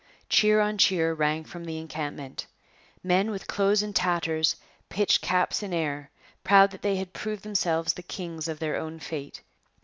Cheer on cheer rang from the encampment. Men with clothes in tatters pitched caps in air, proud that they had proved themselves kings of their own fate.